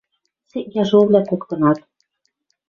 Сек яжовлӓ коктынат.